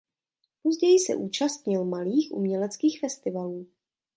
Později se účastnil malých uměleckých festivalů.